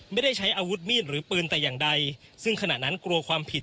ไม่ได้ใช้อาวุธมีดหรือปืนแต่อย่างใดซึ่งขณะนั้นกลัวความผิด